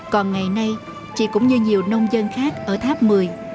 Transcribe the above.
còn ngày nay chị cũng như nhiều nông dân khác ở tháp mười